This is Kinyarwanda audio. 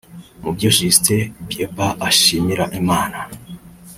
Mu byo Justin Bieber ashimira Imana